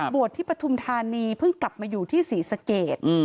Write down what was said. บวชที่ปฐุมธานีเพิ่งกลับมาอยู่ที่ศรีสเกต